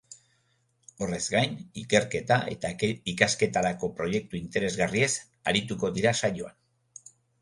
Horrez gain, ikerketa eta ikasketarako proiektu interesgarriez arituko dira saioan.